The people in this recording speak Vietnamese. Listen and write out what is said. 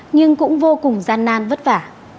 nhưng cũng vô cùng gian nan vất vả